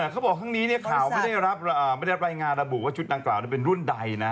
เขาบอกทั้งนี้ข่าวไม่ได้รายงานระบุว่าชุดดังกล่าวเป็นรุ่นใดนะ